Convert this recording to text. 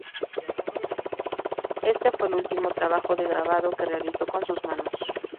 Este fue el último trabajo de grabado que realizó con sus manos.